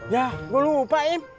yah gue lupa im